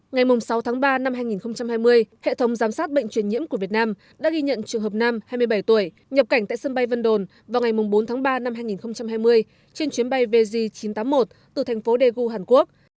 ngày sáu tháng ba năm hai nghìn hai mươi hệ thống giám sát bệnh truyền nhiễm của việt nam đã ghi nhận trường hợp nam hai mươi bảy tuổi nhập cảnh tại sân bay vân đồn vào ngày bốn tháng ba năm hai nghìn hai mươi trên chuyến bay vj chín trăm tám mươi một từ thành phố daegu hàn quốc